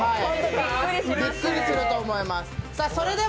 びっくりすると思います。